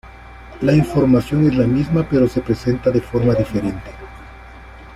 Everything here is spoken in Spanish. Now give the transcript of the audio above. La información es la misma pero se presenta de forma diferente.